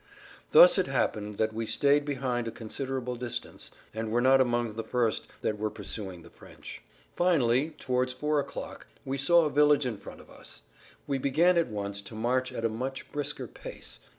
Thus it happened that we stayed behind a considerable distance, and were not amongst the first that were pursuing the French. Finally, towards four o'clock, we saw a village in front of us; we began at once to march at a much brisker pace.